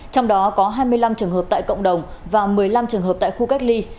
trong đó có hai mươi năm trường hợp tại cộng đồng và một mươi năm trường hợp tại khu cách ly